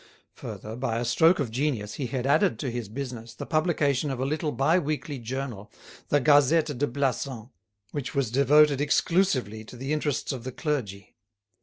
Further, by a stroke of genius he had added to his business the publication of a little bi weekly journal, the "Gazette de Plassans," which was devoted exclusively to the interests of the clergy.